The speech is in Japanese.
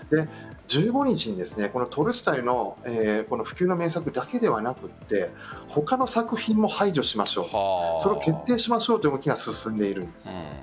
１５日にトルストイの不朽の名作だけではなくて他の作品も排除しましょう決定しましょうという動きが進んでいるんです。